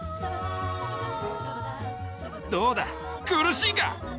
どうだ苦しいか？